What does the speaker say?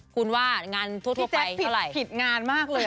คุณว่างานทั่วไปเท่าไหร่พี่แจ๊กผิดงานมากเลยอ่ะ